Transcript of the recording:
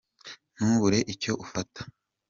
ntubure icyo ufata.